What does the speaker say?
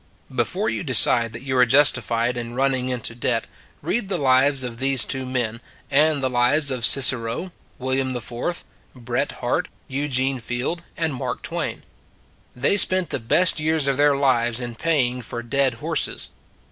Before you decide that you are justified in running into debt, read the lives of these two men, and the lives of Cicero, William IV, Bret Harte, Eugene Field and Mark Twain. They spent the best years of their lives in paying for dead horses.